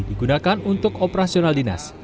digunakan untuk operasional dinas